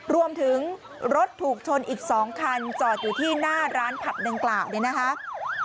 รวมถึงรถถูกชนอีก๒คันจอดอยู่ที่หน้าร้านผับดังกล่าวเนี่ยนะคะ